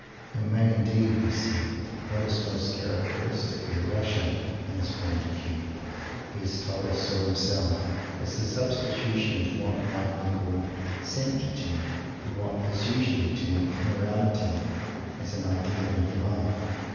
It may, indeed, be said that what is most characteristically Russian in his point of view he has told us so himself is the substitution of what might be called "sanctity" for what is usually termed "morality," as an ideal of life.